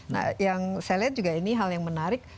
nah yang saya lihat juga ini hal yang menarik